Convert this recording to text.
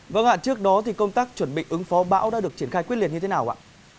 vâng ạ trước đó thì công tác chuẩn bị ứng phó bão đã được triển khai quyết liệt như thế nào ạ